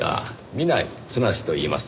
南井十といいます。